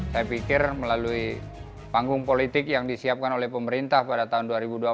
saya pikir melalui panggung politik yang disiapkan oleh pemerintah pada tahun dua ribu dua puluh empat